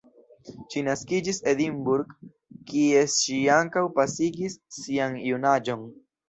Ŝi naskiĝis Edinburgh, kie ŝi ankaŭ pasigis sian junaĝon.